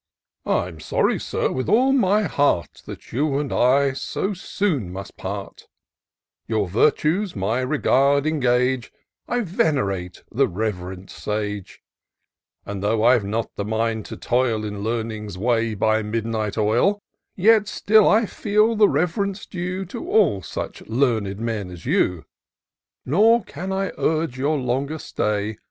" I'm sorry. Sir, with all my heart. That you and I so soon must part : Your virtues my regard engage ; I venerate the rev'rend sage ; And, though I've not the mind to toil In Learning's way, by midnight oil, Yet still I feel the rev'rence due To all such learned men as you ; Nor can I urge your longer stay.